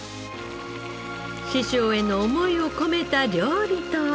師匠への思いを込めた料理とは？